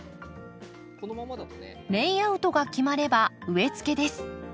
レイアウトが決まれば植えつけです。